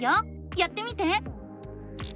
やってみて！